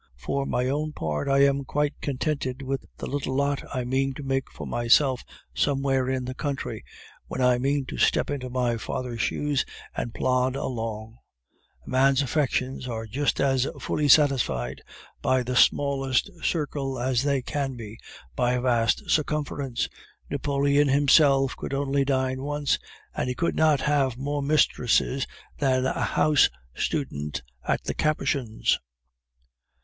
For my own part, I am quite contented with the little lot I mean to make for myself somewhere in the country, when I mean to step into my father's shoes and plod along. A man's affections are just as fully satisfied by the smallest circle as they can be by a vast circumference. Napoleon himself could only dine once, and he could not have more mistresses than a house student at the Capuchins.